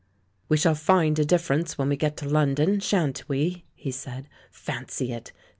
"We shall find a difference when we get to London, shan't we?" he said. "Fancy it!